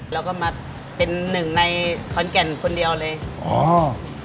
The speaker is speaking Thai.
แล้วก็มาเป็นหนึ่งในขอนแก่นคนเดียวเลยอ๋อ